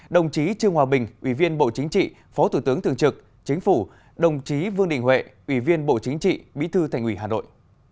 đồng chí trương hòa bình ủy viên bộ chính trị phó thủ tướng thường trực chính phủ đồng chí vương đình huệ ủy viên bộ chính trị bí thư thành ủy hà nội